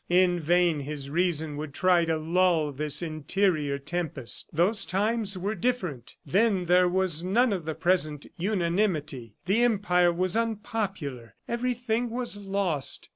In vain his reason would try to lull this interior tempest. ... Those times were different; then there was none of the present unanimity; the Empire was unpopular ... everything was lost.